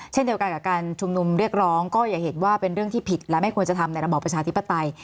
เช่นเดียวกันกับการชุมนุมเรียกร้องก็อย่าเห็นว่าเป็นเรื่องที่ผิดและไม่ควรจะทำในระบอบประชาธิปไตย